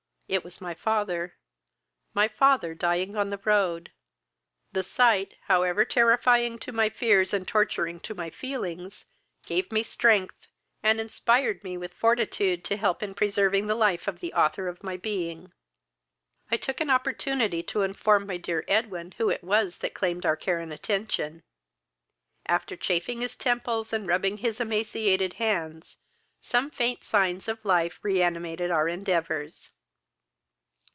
It was my father, my father dying on the road! The sight, however terrifying to my fears and torturing to my feelings, gave me strength, and inspired me with fortitude to help in preserving the life of the author of my being. "I took an opportunity to inform my dear Edwin who it was that claimed our care and attention. After chafing his temples, and rubbing his emaciated hands, some faint signs of life reanimated our endeavours.